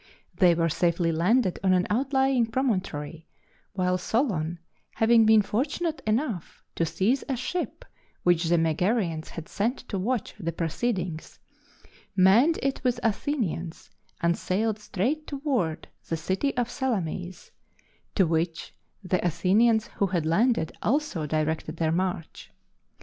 They were safely landed on an outlying promontory, while Solon, having been fortunate enough to seize a ship which the Megarians had sent to watch the proceedings, manned it with Athenians and sailed straight toward the city of Salamis, to which the Athenians who had landed also directed their march.